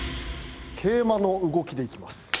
桂馬の動きでいきます。